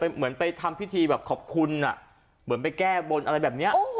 เหมือนไปทำพิธีแบบขอบคุณเหมือนไปแก้บนอะไรแบบนี้